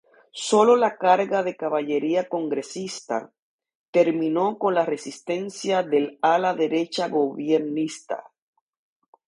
Solo la carga de caballería congresista, terminó con la resistencia del ala derecha gobiernista.